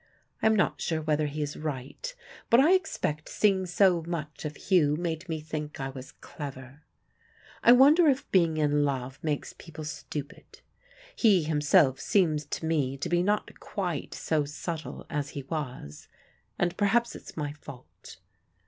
I am not sure whether he is right, but I expect seeing so much of Hugh made me think I was clever. I wonder if being in love makes people stupid. He himself seems to me to be not quite so subtle as he was, and perhaps it's my fault.